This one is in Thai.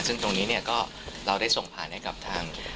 ซึ่งตรงนี้เนี่ยก็เราได้ส่งผ่านให้กับทาง